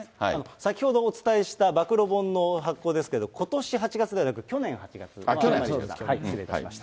先ほどお伝えした暴露本の発行ですけど、ことし８月ではなく、去年の８月です、失礼いたしました。